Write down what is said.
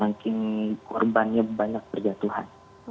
makin korbannya banyak berjatuhan